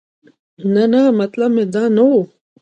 نه نه مطلب مې دا نه و.